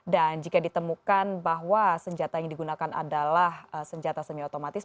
dan jika ditemukan bahwa senjata yang digunakan adalah senjata semi otomatis